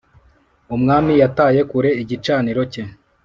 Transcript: Umwami yataye kure igicaniro cye.